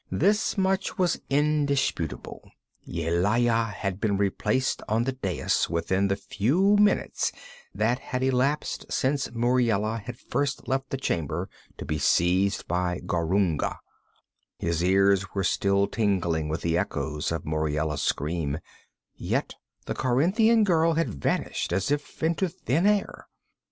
This much was indisputable: Yelaya had been replaced on the dais within the few minutes that had elapsed since Muriela had first left the chamber to be seized by Gwarunga; his ears were still tingling with the echoes of Muriela's scream, yet the Corinthian girl had vanished as if into thin air.